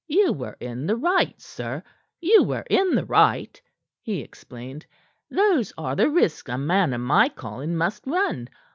"You were in the right, sir; you were in the right," he explained. "Those are the risks a man of my calling must run.